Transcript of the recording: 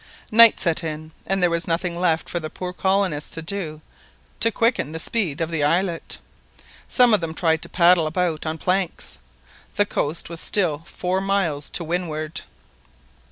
Night set in, and there was nothing left for the poor colonists to do to quicken the speed of the islet. Some of them tried to paddle about on planks. The coast was still four miles to windward.